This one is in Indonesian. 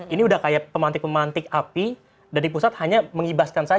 ini udah kayak pemantik pemantik api dari pusat hanya mengibaskan saja